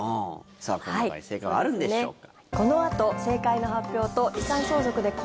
さあ、この中に正解はあるんでしょうか。